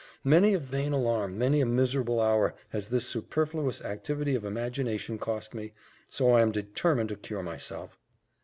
Many a vain alarm, many a miserable hour, has this superfluous activity of imagination cost me so I am determined to cure myself."